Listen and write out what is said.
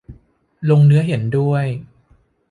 ลงเนื้อเห็นด้วย